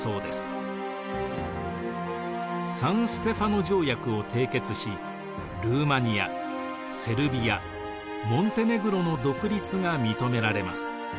サン＝ステファノ条約を締結しルーマニアセルビアモンテネグロの独立が認められます。